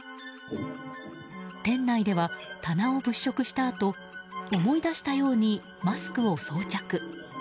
店内では棚を物色したあと思い出したようにマスクを装着。